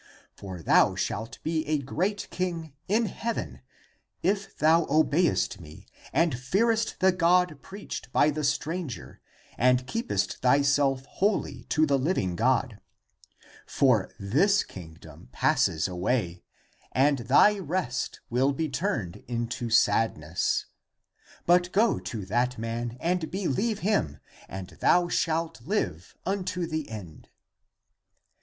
For thou shalt be a great king in heaven, if thou obeyest me and fearest the God preached by the stranger and keepest thyself holy to the living God. For this kingdom passes away, and thy rest (recreation) will be turned into sadness. But go to that man and believe him, and thou shalt live unto the end."